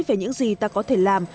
về những gì ta có thể làm